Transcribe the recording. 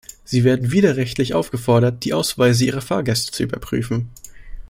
Sie werden widerrechtlich aufgefordert, die Ausweise ihrer Fahrgäste zu überprüfen.